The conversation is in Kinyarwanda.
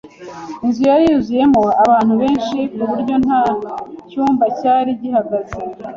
Inzu yari yuzuyemo abantu benshi ku buryo nta cyumba cyari gihagaze.